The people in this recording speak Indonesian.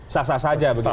sasa saja begitu ya